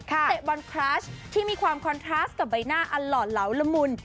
เตะบอลคราชที่มีความคอนทราสต์กับใบหน้าอลอดเหลาลมุน